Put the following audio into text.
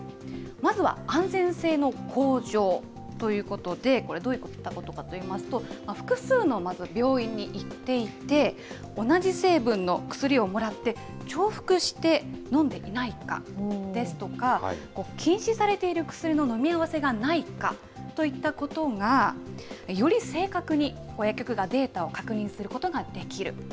まずは安全性の向上ということで、これはどういったことかといいますと、複数の病院に行っていて、同じ成分の薬をもらって、重複して飲んでいないかですとか、禁止されている薬の飲み合わせがないかといったことが、より正確に、薬局がデータを確認することができる。